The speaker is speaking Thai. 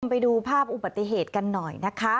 ไปดูภาพอุบัติเหตุกันหน่อยนะคะ